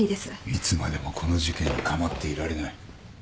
いつまでもこの事件に構っていられない。